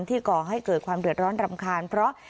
ก่อให้เกิดความเดือดร้อนรำคาญเพราะ